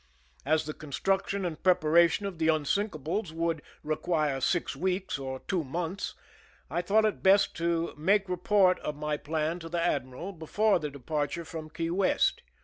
As the construc tion and preparation of the unsinkables would re quire six weeks or two months, I thought it best to make report of my plan to the admiral before the departure from Key West.